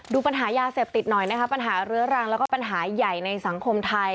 ดูปัญหายาเสพติดหน่อยนะคะปัญหาเรื้อรังแล้วก็ปัญหาใหญ่ในสังคมไทย